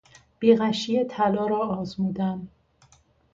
بیغشی طلا را آزمودن